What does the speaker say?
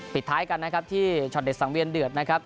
ปิดท้ายกันนะครับที่ช็อตเด็ดสังเวียนเดือดนะครับ